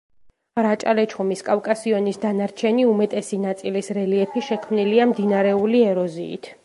რაჭა-ლეჩხუმის კავკასიონის დანარჩენი, უმეტესი ნაწილის რელიეფი შექმნილია მდინარეული ეროზიით.